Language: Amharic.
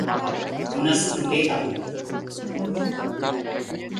እነርሱም እንዴት አሉት፡፡